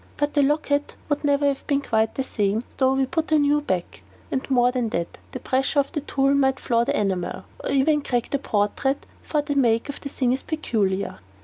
But the locket would never have been quite the same, though we put a new back; and, more than that, the pressure of the tool might flaw the enamel, or even crack the portrait, for the make of this thing is peculiar.